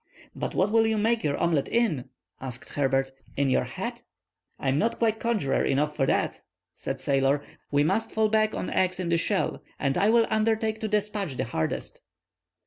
"But what will you make your omelet in?" asked Herbert; "in your hat?" "I am not quite conjurer enough for that," said the sailor. "We must fall back on eggs in the shell, and I will undertake to despatch the hardest."